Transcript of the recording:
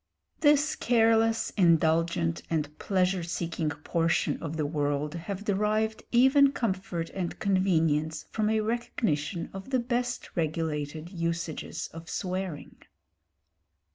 This careless, indulgent and pleasure seeking portion of the world have derived even comfort and convenience from a recognition of the best regulated usages of swearing.